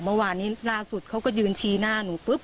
เมื่อวานนี้ล่าสุดเขาก็ยืนชี้หน้าหนูปุ๊บ